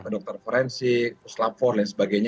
dokter forensik puslapor dan sebagainya